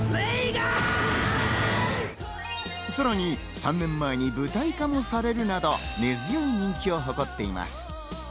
さらに３年前に舞台化もされるなど、根強い人気を誇っています。